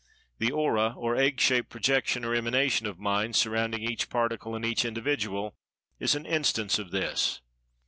The Aura, or egg shaped projection or emanation of Mind, surrounding each Particle and each Individual, is an instance of this.